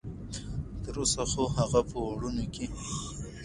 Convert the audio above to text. تر اوسه خو هغه په وړوني کې ده.